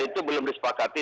itu belum disepakati